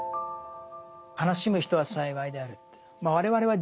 「悲しむ人は幸いである」と。